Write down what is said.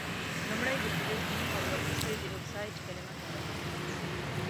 لومړۍ د فلز نوم او ور پسي د اکسایډ کلمه کارول کیږي.